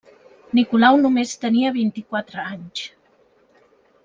Nicolau només tenia vint-i-quatre anys.